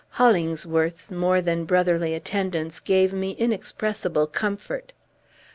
Hollingsworth's more than brotherly attendance gave me inexpressible comfort.